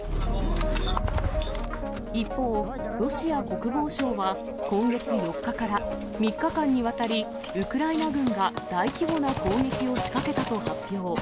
一方、ロシア国防省は今月４日から３日間にわたり、ウクライナ軍が大規模な攻撃を仕掛けたと発表。